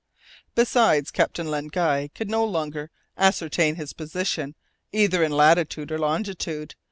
Besides, Captain Len Guy could no longer ascertain his position either in latitude or longitude.